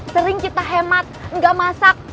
sering kita hemat nggak masak